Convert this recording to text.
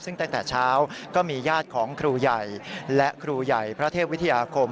ซึ่งตั้งแต่เช้าก็มีญาติของครูใหญ่และครูใหญ่พระเทพวิทยาคม